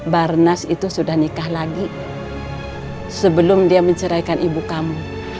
barnas itu sudah nikah lagi sebelum dia menceraikan ibu kamu